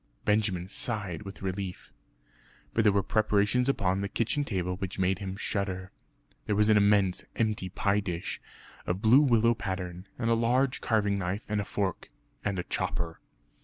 Benjamin sighed with relief. But there were preparations upon the kitchen table which made him shudder. There was an immense empty pie dish of blue willow pattern, and a large carving knife and fork, and a chopper.